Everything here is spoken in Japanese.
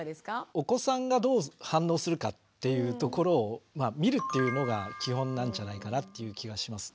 お子さんがどう反応するかっていうところを見るっていうのが基本なんじゃないかなっていう気がします。